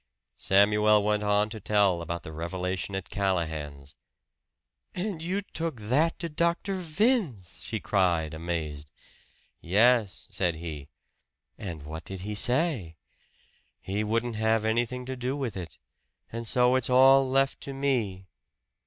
Samuel went on to tell about the revelation at Callahan's. "And you took that to Dr. Vince!" she cried amazed. "Yes," said he. "And what did he say?" "He wouldn't have anything to do with it. And so it's all left to me."